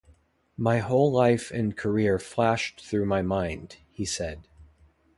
"My whole life and career flashed through my mind," he said.